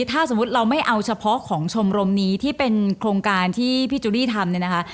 ถ้าสมมุติเราไม่เอาเฉพาะของชมรมนี้ที่เป็นโครงการที่พี่จุรีทำเนี่ยนะคะ